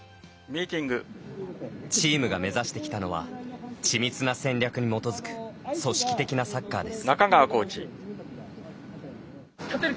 チームが目指してきたのは緻密な戦略に基づく組織的なサッカーです。